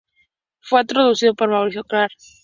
Fue traducido por Mauricio Karl.